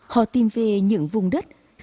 họ tìm về những vùng đất khi xưa họ đã sống